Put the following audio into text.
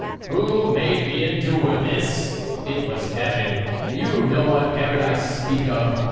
"Who made me endure this? It was Herod; you know what Herod I speak of.